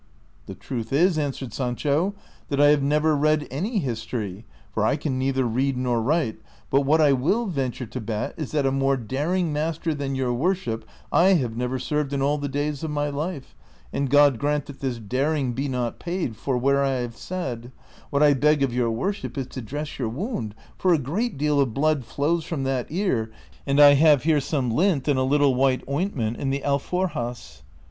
" The truth is," answered Sancho, '' that I have never read any history, for I can neither read nor write, but what I will venture to bet is that a more daring master than your worship I have never served in all the days of my life, and God grant that this daring be not paid for where I have said ; what I beg of your worship is to dress your wound, for a great deal of blood flows from that ear, and I have here some lint and a little white ointment in the alforjas."